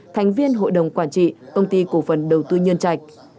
thành viên hội đồng quản trị công ty cổ phần đầu tư nhân trạch